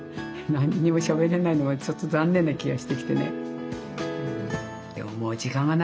何もしゃべれないのはちょっと残念な気がしてきてね。